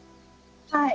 はい。